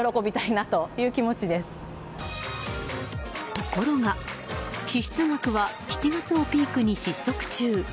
ところが、支出額は７月をピークに失速中。